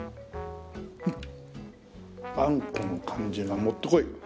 あんこの感じがもってこい。